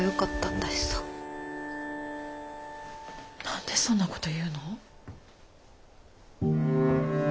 何でそんなこと言うの。